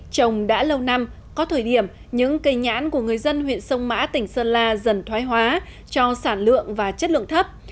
trồng đã lâu năm có thời điểm những cây nhãn của người dân huyện sông mã tỉnh sơn la dần thoái hóa cho sản lượng và chất lượng thấp